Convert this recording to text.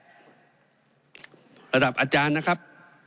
ระดับอาจารย์นะครับ